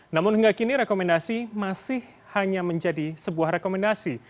namun hingga kini rekomendasi masih hanya menjadi sebuah rekomendasi